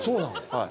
はい。